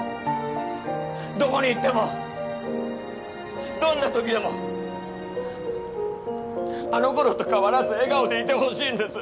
どこに行ってもどんなときでもあのころと変わらず笑顔でいてほしいんです。